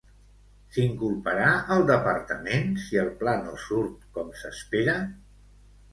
S'inculparà el departament si el pla no surt com s'espera?